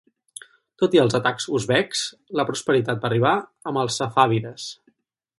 Tot i els atacs uzbeks, la prosperitat va arribar amb els safàvides.